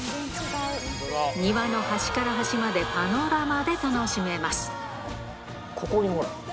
庭の端から端までパノラマで楽しめます